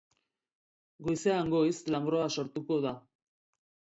Goizean goiz lanbroa sortuko da.